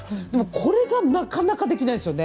これがなかなかできないんですよね